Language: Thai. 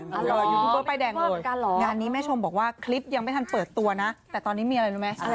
ยูทูปเบอร์ป้ายแดงเลยงานนี้แม่ชมบอกว่าคลิปยังไม่ทันเปิดตัวนะแต่ตอนนี้มีอะไรรู้ไหม